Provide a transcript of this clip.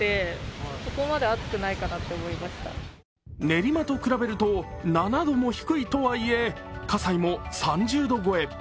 練馬と比べると７度も低いとはいえ葛西も３０度超え。